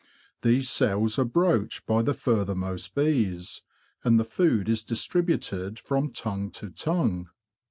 These cells are broached by the furthermost bees, and the food is distributed from tongue to tongue.